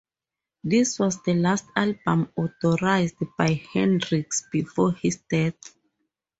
This was the last album authorized by Hendrix before his death.